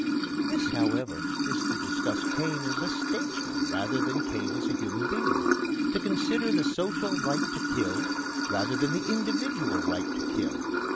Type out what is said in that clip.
This, however, is to discuss Cain as a statesman rather than Cain as a human being to consider the social right to kill rather than the individual right to kill.